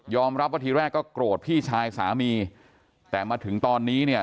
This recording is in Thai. รับว่าทีแรกก็โกรธพี่ชายสามีแต่มาถึงตอนนี้เนี่ย